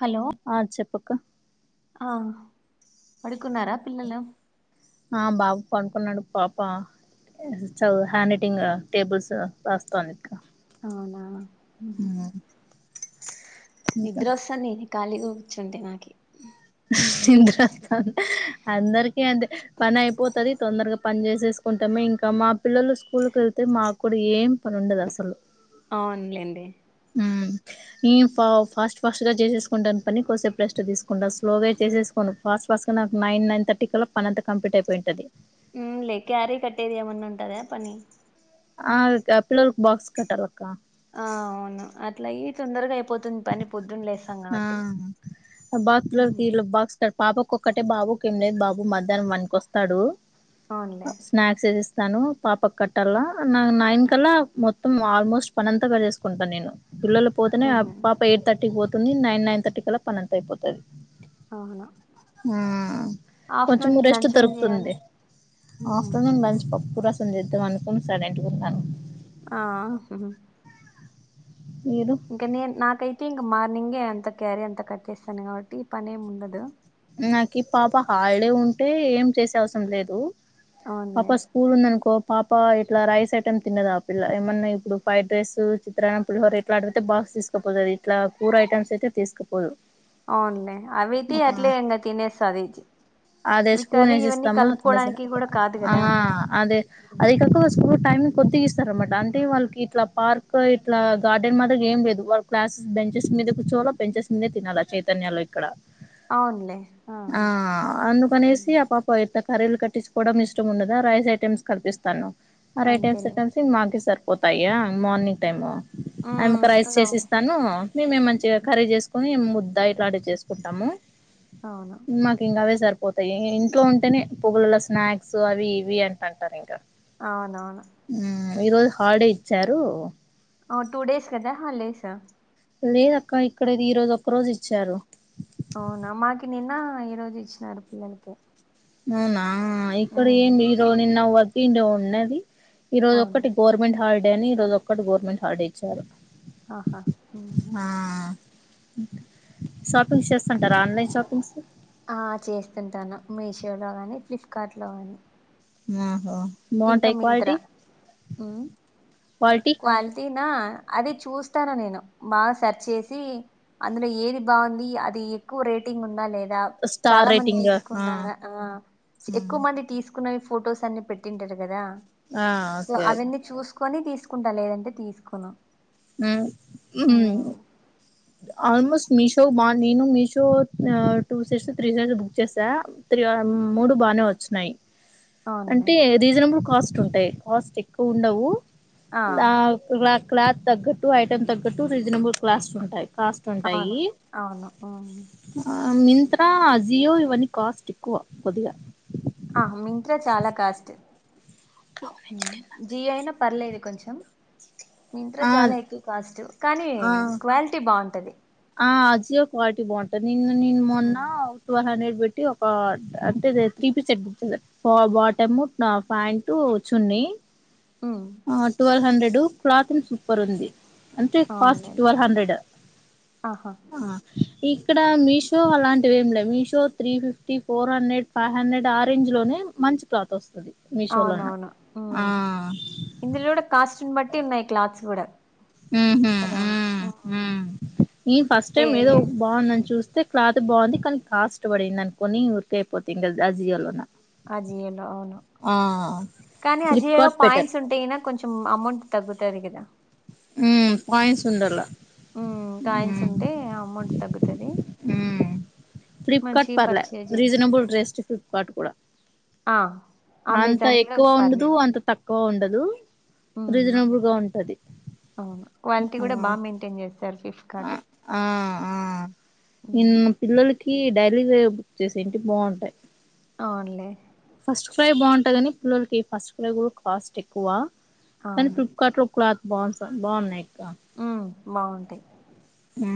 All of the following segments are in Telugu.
హలో ఆ చెప్పక్క ఆ పడుకున్నారా పిల్లలు ఆ బాబు పాడుకున్నాడు పాప చదువు హ్యాండ్ రైటింగ్ టేబుల్స్ రాస్తాంది. అవునా ఉహు ఇంకా నిద్ర అస్సన్ని ఖాళీగా కుచ్చుంటే నాకి నిద్ర అత్తంది అందరికి అంతే పని అయిపోతది తొందరగా పన్ జేసేసు కుంటామే ఇంకా మా పిల్లలు స్కూల్కి వెళ్తే మాకు కూడా ఏం పని ఉండదు అసలు అవునులేండి ఉమ్ ఈ పావ్ ఫాస్ట్ ఫాస్ట్ గా జేసేస్కుంటన్ పని కోసేప్ రెస్ట్ దిస్కుంటస్ స్లోగే చేసేస్కోను ఫస్ట్ ఫస్ట్ గా నాకు నైన్ నైన్ తట్టి కల్లా పని అంత కంప్లీట్ అయిపోయింటది ఉమ్ లే క్యారీ కట్టేదేమన్నా ఉంటాద పని ఆమ్ అద్ డబ్బాలక్ బోక్స్ కట్టలక్క ఆ అవును అట్లై తొందరగా అయిపోతుంది పని పొద్దున్ ఆ బాత్లోకి ఉమ్ తీలు బోక్స్ ఇక్కడ పాపక్ ఒక్కటే బాబుకి ఏం లేదు బాబు మధ్యానం వన్ కొస్తాడు అవునులే స్నాక్స్ ఎసి స్తాను పాప కట్టల్లా నాక్ నైన్ కల్లా మొత్తం ఆల్మోస్ట్ పనంతాగా జేస్కుంట నేను పిల్లలు పోతేనేగా ఉహు పాప ఎట్ తట్టికి వోతుంది నైన్ నైన్ తట్టి కల్ల పనంతా అయిపోతుంది అవును ఉమ్ ఆఫ్టర్నూన్ కొంచము కి రెస్ట్టు లంచ్ ఏం చేయాలి దొరుక్తుంది. ఉమ్ ఆఫ్టర్నూన్ లంచ్ పప్పు రసం ఎద్దాం అనుకుంన్ సడేంటుగుంటనా ఆ హుమ్ మీరు ఇంక నేను నాకైతే ఇంకా మార్నింగే అంత క్యారీ అంత కట్టేస్తాను కావట్టి ఈ పని ఏమి ఉండదు నాకి పాప హల్ డే ఉంటే ఏం చేసే అవసం లేదు పాప అవునులే సు స్కూల్ ఉందనుకో పాప ఇట్లా రైస్ ఐటమ్ తిన్నదు ఆ పిల్ల ఏమన్నా ఇప్పుడు ఫ్రైడ్ రైసు చిత్రాన్నం పులిహోర అల అండుతే బాక్స్ తీస్కపోతది ఇట్లా కూర ఐటమ్స్ అయితే తీస్కుపో అవునులే అవి అయితే అట్లే ఇంకా తినేస్తారు ఈజీ అదే స్పూన్ వేసి ఇస్తామా తినేస కూడా కాదు ఆ కదా అదే అది కాక స్కూల్ టైమ్ కొద్ది ఇస్తారన్నమాట అంటే వాళ్ళకి ఇట్లా పార్క్ ఇట్లా గార్డెన్ మాదరి ఏం లేదు వాళ్ళ క్లాసెస్ బెంచెస్ మీద కూర్చోలో బెంచెస్ మీదే తినాల చైతన్యాలొ ఇక్కడ అవునులే ఆ ఆహా అందుకనేసి ఆ పాప ఇట్టా కర్రీలు కట్టించుకోవడం ఇష్టం ఉండదా రైస్ ఐటెమ్స్ కలిపిస్తా తను మరి ఐటెమ్స్ అంతేలే టమ్స్ ఇక మాకే సరిపోతాయా మార్నింగ్ టైము ఉమ్ ఆమెకి రైస్ స్లో చేసి ఇస్తాను మేమేం మంచిగా కర్రీ చేసుకోని ముద్ద ఇట్లంటివీ చేసుకుంటాము అవును మాకి ఇంగ అవే సరిపోతాయి ఇంట్లో ఉంటేనే పోగులల్ల స్నాక్స్ అవి ఇవి అంట అంటారు ఇంకా అవునవును ఉమ్ ఈ రోజు హాలిడే ఇచ్చారు ఓ టూ డేస్ కదా హాలిడేస్ లేదక్క ఇక్కడది ఈ రోజు ఒక్క రోజు ఇచ్చారు అవునా మాకి నిన్న ఈ రోజు ఇచ్చినారు పిల్లలకి అవునా ఇక్కడ ఉమ్ ఏమి ఈరో నిన్న వర్కింగ్ డే ఉన్నది ఈ రోజు ఒకటి అవునులే గవర్మెంట్ హాలిడే అని ఈ రోజు ఒక్కటి గవర్నమెంట్ హాలిడే ఇచ్చారు ఆహా ఉహు ఆ షాపింగ్స్ చేస్తాంటారా ఆన్లైన్ షాపింగ్స్ ఆ చేస్తుంటాను మీషోలో గాని ఫ్లిప్కార్ట్ లో గాని ఒహో ఇంకా మింత్రా క్వాలిటీ క్వాలి టిన అదే చూస్తాన నేను బా సర్చ్ చేసి అందులో ఏది బాగుంది అది ఎక్కువ రేటింగ్ ఉందా లేదా స్టార్ చాలా మంది రేటింగ్ ఆ తీసుకున్నారా ఆ ఉమ్ ఎక్కువ మంది తీస్ కున్నయి ఫొటోస్ అన్ని పెట్టింటారు కదా ఆ సో ఓకే అవన్ని చూస్ కొని తీసుకుంటా లేదంటే తీసుకొను ఊ ఉ ఆల్మోస్ట్ మీషో బా నేను Meesho two seats three seats book చేసా త్రి మూడు బానే వచ్చినయి అవునులే అంటే రీజనబుల్ కాస్ట్ ఉంటాయి కాస్ట్ ఎక్కువ ఉండవు ఆ క్ల క్లాత్ తగ్గట్టు ఐటమ్ తగ్గట్టు రీజనబుల్ క్స్ట్ ఉంటాయి కాస్ట్ ఉంటాయి అవును అవును ఉ ఆ మింత్ర అజియో ఇవన్నీ కాస్ట్ ఎక్కువ కొద్దిగా ఆ మింత్ర చాలా కాస్ట్ జి అయినా పర్లేదు కొంచెం మింత్ర ఆ చాలా ఎక్కువ కాస్ట్ కానీ ఆ క్వాలిటీ బాగుంటది ఆ అజియో క్వాలిటీ బాగుంటుంది నిన్న నిను మొన్న ఉమ్ ట్వెల్వ్ హండ్రెడ్ పెట్టి ఒక అంటే త్రి పీస్ సెట్ బుక్ చేశా బాటమ్ ప్యాంటు చున్ని ఉ ఆ ట్వల్వ్ హండ్రెడ్ క్లాత్న్ సూపర్ ఉంది అంటే ఫస్ట్ అవునులేండి ట్వల్ హండ్రెడ్ ఆహా ఆ ఇక్కడ మీషో అలాంటివి ఏమి లే Meesho three fifty four hundred five hundred ఆరేంజ్లోనే మంచి క్లాత్ వస్తుంది మీషోలోన్న ఆ ఇందుల్గూడ కాస్టను బట్టి ఉన్నాయి క్లాత్స్ గూడా ఊ ఉ ఊ ఉ ఈ ఫస్ట్ ఏ టైమ్ ఏదో ఏ- బావుందని చూస్తే క్లాత్ బావుంది కనీ కాస్ట్ బడిందనుకోని ఊరికే అయిపోతంది ఇం ఆ జియోలోనా అజియోలో అవును కానీ ఆ జియోలో ఫ్లిప్కార్ట్ బెటర్ పాయింట్స్ ఉంటాయేన కొంచం అమౌంట్ తగ్గుతది గదా ఊ పాయింట్స్ ఉండాల కాయిన్స్ ఉంటే అమౌంట్ తగ్గుతది. ఫ్లిప్కార్డ్ మంచిగా పర్లే పర్చేజ్ చేయొచ్చు రీజనబుల్ డ్రెస్ట్ ఫ్లిప్కార్ట్ కూడ ఆ అంత అమెజాన్ కూడా ఎక్కువ ఉండదు. పర్లేదు అంత తక్ కొవుండదు ఉమ్ రీజనబుల్ గా ఉంటది. అవును క్వాలిటీ గూడ బా మెయింటైన్ చేస్తారు ఫిఫ్ట్ ఆ ఆ ఆ ఇన్ ఉమ్ పిల్లలకి డైలీ వేర్ బుక్ చేసేంటి ఇంట్లో బావుంటాయి. అవునులే! ఫస్ట్ క్రై భావుంటదని పిల్లలకి ఫస్ట్ క్రై కూడా కాస్ట్ ఎక్కువ కనీ అవును ఫ్లిప్కార్ట్ లో క్లాత్ బాన్సా బావున్నాయ ఆ ఉ బావుంటయి. ఊ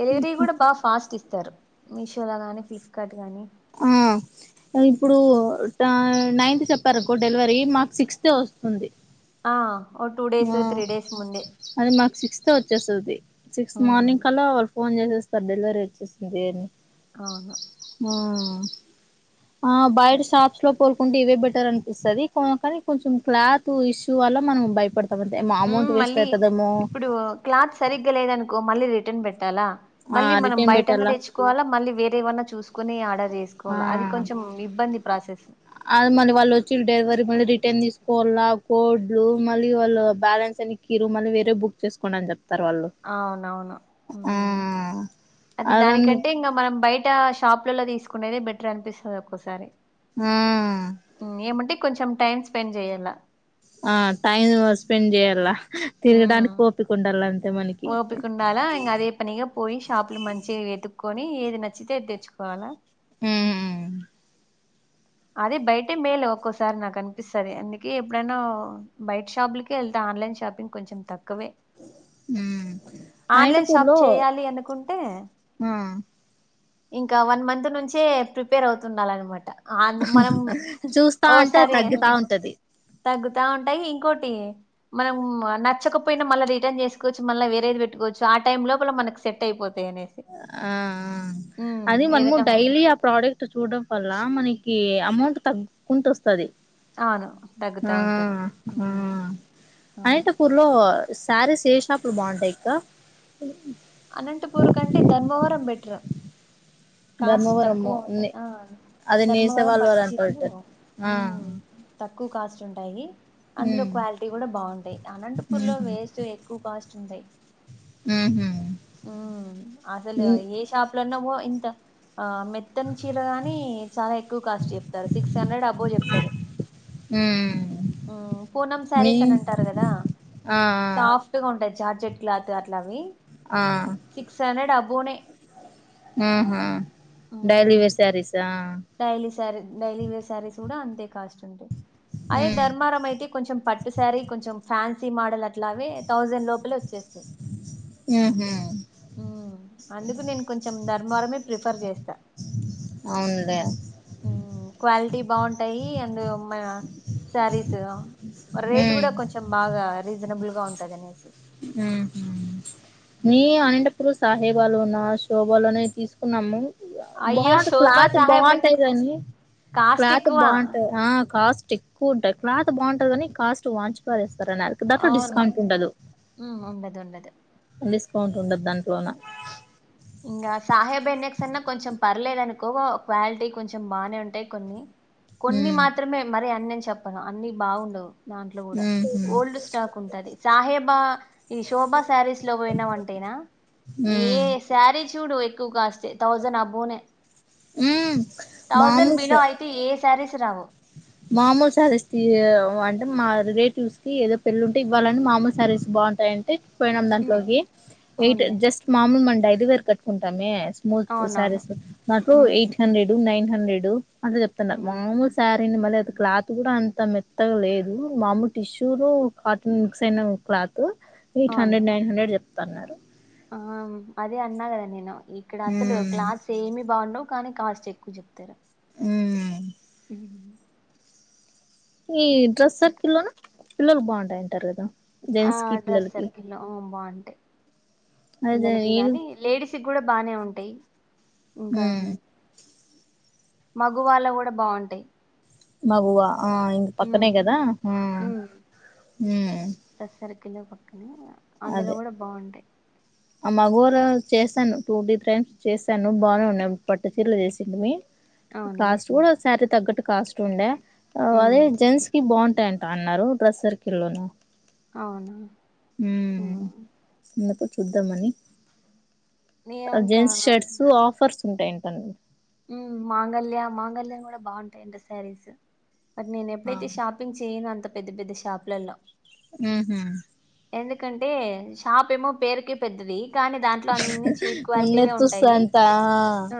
ఎలేటివీ గూడ బాగా ఫాస్ట్ ఇస్తారు మీషోలో గానీ, ఫ్లిప్కార్ట్ గానీ ఊ ఇప్పుడు టైం నైన్త్ చెప్పారకో డెలివరీ మాకు సిక్స్ కే ఒస్తుంది. ఆ ఓ టూ డేస్, త్రీ డేస్ ముందే అది మాకు సిక్స్త కే ఒచ్చేస్తది సిక్స్త్ ఉమ్, మార్నింగ్ కల్లా ఫోన్ చేసేస్తారు డెలివరీ ఒచ్చేసింది అని అవును ఆ బయట ఆ షాప్స్ లో పోల్ కుంటే ఇవే బెటర్ అనిపిస్తది కో కనీ కొంచెం క్లాతూ ఇష్యూ వల్ల మనం భయపడ కాబట్టి మ్మ్ అమౌంట్ మళ్ళీ వేస్టేయితదేమో ఇప్పుడు క్లాత్ సరిగ్గా లేదనుకో మళ్ళీ రిటర్న్ బెట్టాలా ఆ మళ్ళీ మనం రిటర్న్ బయటనే పెట్టాల తెచ్చ్ కోవాలా మళ్ళీ వేరే వన్నా చూసుకుని ఆర్డర్ ఆ చేసుకోవాలా అది కొంచెం ఇబ్బంది ప్రాసెస్ అది మళ్ళీ వాళ్ళు ఒచ్చిలు డెలివరీ మళ్ళీ రిటర్న్ తీసుకోవాలా కోడ్లు మళ్ళీ వాళ్ళు బ్యాలెన్స్ ఎనెక్ కిరూ వేరే బుక్ చేసుకోండి అని చెప్తారు వాళ్ళు అవునవును ఊ ఆ అది అదందు దానికంటే ఇంగ మనం బయట షాప్లలలో తీసుకునేది బెటర్ అనిపిస్తది ఒక్కోసారి ఊ ఏమంటే కొంచెం టైం స్పెండ్ జేయ్యాల ఆ టైం స్పెండ్ జేయాల తిరగడానికి మ్మ్ ఓపిక ఉండాల అంతే మనకి ఓపిక ఉండాలా ఇంగా అదే పనిగా పోయి షాపులు మంచిగా వెతుక్కొని ఏది నచ్చితే అది తెచ్చుకోవాలా! ఊ ఉ అదే బయటే మేలు ఒక్కోసారి నాకు అనిపిస్తది అందుకే ఎప్పుడైనా బయట షాపులకే ఎళ్తా ఆన్లైన్ షాపింగ్ కొంచెం తక్కవే ఆన్లైన్ షాప్ అనేటపూర్లో చేయాలి అనుకుంటే ఆ ఇంకా వన్ మంత్ నుంచే ప్రిపేర్ అవుతుండాల అనమాట ఆళ్ళు మనం చూస్తా ఓ అంటే సరే అన్న తగ్గుతా ఉంటది తగ్గుతా ఉంటయి ఇంకోటి మనం నచ్చకపోయినా మళ్ళీ రిటర్న్ చేస్కోవచ్చు మళ వేరేది పెట్టుకోచ్చు ఆ టైమ్ లోపల మనకు సెట్ అయిపోతాయి అనే ఆ ఆ అది మనము ఏదైనా డైలీ ప్రోడక్ట్ చూడడం వల్ల మనకి అమౌంట్ తగ్గుకుంటూ వస్తది అవును తగ్గుతా ఆ ఉంటది ఆ ఉమ్ అవును అనంత పూర్లో శారీస్ ఏ షాపులు బాగుంటాయి అక్క అనంతపూర్ కంటే ధర్మవరం బెటర్ కాస్ట్ తక్కువ ధర్మవరము ఉంటాయి నే ఆ అదే నేసే ధర్మవరం వాళ్ళు పట్టు అంటా చీరలు ఉంటారు ఆ హ్మ్ తక్కువ కాస్ట్ ఉంటాయి అందులో ఉమ్ క్వాలిటీ కూడా బాగుంటాయి అనంతపూర్లో ఉహు వేస్ట్ ఎక్ ఎక్కు కాస్ట్ ఉంటాయి ఉహు హ్మ్ అసలు షాప్లోన పో ఇంత ఆ మెత్ మెత్తని చీర గాని చాలా ఎక్కువ కాస్ట్ చెప్తారు సిక్స్ హండ్రెడ్ ఎబ్బో చెప్తారు ఉమ్ హ్మ్ పూనం మీ శారీస్ అని అంటారు కదా ఆ సాఫ ఫ్ట్ గా ఉంటాయి జార్జెట్ క్లాత్ అట్లావి ఆ సిక్స్ హండ్రెడ్ అబోనే ఆహా డైలీ మ్మ్ wear saris daily sari daily wear saris కూడా అంతే కాస్ట్ ఉంటాయి అదే ఉమ్ ధర్మారం అయితే కొంచెం పట్టు సారీ కొంచెం ఫ్యాన్సీ మోడల్ అట్లావి థౌజండ్ లోపలే వచ్చేస్తాయి ఉహ్మ్ హ్మ్ అందుకు నేను కొంచెం ధర్మవరమే ప్రిఫర్ చేస్తా అవునులే హ్మ్ క్వాలిటీ బాగుంటాయి అండ్ మా శారీస్ రేట్ ఉమ్ కూడా కొంచెం బాగా రీజనబుల్గా ఉంటది అనేసి హ్మ్ ఉమ్ మీ అనంతపూర్ సహేబాలోన శోభాలోన తీసుకున్నాము అయ్యో బాగుంట శోభా క్లాత్ సహాయబడిన బాగుంటాయి కానీ కాస్ట్ క్లాత్ ఎక్కువ బాగుంటది ఆ కాస్టే కూంటాయి క్లాత్ బాగుంటుది కాని కాస్ట్ వాంచిపాదేస్తారు అ అవును ఉండదు ఉండదు డిస్కౌంట్ ఉండదు దాంట్లోన ఇంకా సాహెబ్ ఎన్నక్స్ అన్నా కొంచెం పర్లేదు అనుకో క్వాలిటీ కొంచెం బాగానే ఉంటాయి కొన్ని కొన్ని ఉమ్ మాత్రమే మరి అన్న అని చెప్పను అన్ని బాగుండవు దాంట్లో కూడా ఉహు ఓల్డ్ స్టాక్ ఉంటది సాహేబా ఈ శోభాశారీస్లో పోయినమంటేనా ఏ ఉమ్ శారీ చూడు ఎక్కువ కాస్టే థౌజండ్ అబోనే మ్మ్ థౌజండ్ మామూస్ బిలో అయితే ఏ శారీస్ రావు మామూలు శారీస్ అంటే మా రిలేటివ్స్ కి ఏదో పెళ్ళి ఉంటే ఇవ్వాలని మామూలు శారీస్ బాగుంటుంది అంటే పోయినాం ఉమ్, దాంట్లోకి ఎయిట్ అవునులే జస్ట్ మామూలు మనం డైలీ వేర్ కట్టుకుంటామే మోట్ సారీ అవునవును నాకు ఉమ్ ఎయిట్ హండ్రెడ్ నైన్ హండ్రెడ్ అట్లా చెప్తున్నారు ఉమ్, ఉమ్, ఆల్మోస్ట్ శారీని మళ్ళీ అది క్లాత్ కూడా అంత మెత్తగా లేదు మామూ టిష్యూలు కాటన్ మిక్స్ అయిన క్లాత్ ఎయిట్ అవునులే హండ్రెడ్ నైన్ హండ్రెడ్ చెప్తున్నారు ఆ అదే అన్నా కదా నేను ఇక్కడ అసలు మ్మ్ క్లాత్స్ ఏమి బాగుండవు కానీ కాస్టే ఎక్కువ చెప్తారు మ్మ్ ఈ డ్రెస్ ఉమ్. సర్కిల్లోను పిల్లలు బాగుంటాయింటారు కదా ఆ జెంట్స్ కి డ్రస్ పిల్లలకి సర్కిల్లో ఆ బాగుంటాయి అదే పిల్లలకి ఏది గాని లేడీస్కి కూడా బానే ఉంటాయి ఇంకా మగువ లా కూడా బాగుంటాయి మగవ ఆ ఇంగ్ పక్కనే ఉమ్ గదా రస్రకిలో సర్కిల్ పక్కనే అందులో అదే కూడా బాగుంటాయి ఆ మగవ లో చేసాను టూ త్రీ టైమ్స్ చేశాను బాగానే ఉన్నాయి పట్టు చీరలు చేసింటిమి అవునులే కాస్ట్ కూడా శారీ తగ్గట్టు కాస్ట్ ఉండే ఉమ్ అదే జెంట్స్ కి బాగుంటాయి ఆ అన్నారు డ్రస్ సర్కిల్లోన అవునా ఆ అందుకు చూద్దామని నేను ఇంకా జీన్స్ షర్ట్స్ ఆఫర్స్ ఉంటేంటండి ఉమ్ మాంగళ్యా మాంగళ్యాలు కూడా బాగుంటాయింట శారీస్ బట్ నేను ఆ ఎప్పుడైతే షాపి షాపింగ్ చేయను అంత పెద్ద పెద్ద షాపులల్లో ఉహ ఎందుకంటే షాప్ ఏమో పేరుకే పెద్దది కానీ దాంట్లో అ చీప్ క్వాలిటీవే ఉన్నది తుస్సు ఉంటాయి అంతా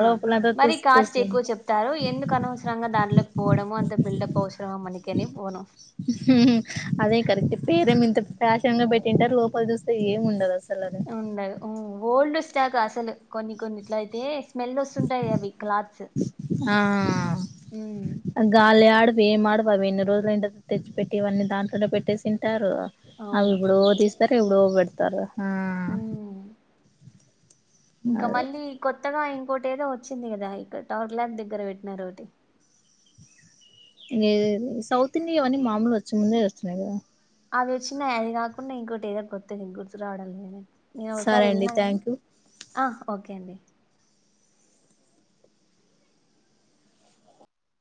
లోపలంతా మరి తుస్సు కాస్ట్ తుస్సు ఎక్కువ చె తారు ఎందుకు అనవసరంగా దాంట్లోకి పోవడము అంత బిల్డప్ అవసరమా మనకని పోను అదే కరెక్ట్ పేరమో ఇంత ఫ్యాషన్ గా పెట్టింటారు లోపల చూస్తే ఏమి ఉండదు అసలు ఉండదు ఓల్డ్ స్టాక్ అసలు కొన్ని కొన్నిట్లో అయితే స్మెల్ వస్తు ఉంటాయవి క్లాత్స్ గాలి ఆడవు ఏం ఆడవు అవి ఎన్ని రోజులు అయి ఉంటది తెచ్చి పెట్టి ఇవన్నీ దాంట్లోనే పెట్టేసి తింటారు అవి అవును ఎప్పుడో తీస్తారు ఎప్పుడో పెడతారు ఉ ఆ ఇంకా అదే మళ్ళీ కొత్తగా ఇంకోటి ఏదో వచ్చింది కదా ఇక్కడ టవర్ లాక్ దగ్గర పెట్టినారు ఒకటి ఇదేది సౌత్ ఇండియా అవన్నీ మామూలు వచ్చేయి ముందే వచ్చిన్నాయి కదా అవి వచ్చినాయి అవి కాకుండా ఇంకోటి ఏదో కొత్తది ఇంకోటి ఏదో గుర్తు రావడం లేదే నేను ఒకసారి సరే అండి వెళ్ళిన కాన థ్యాంక్ యూ ఆ ఓకే అండి